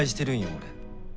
俺。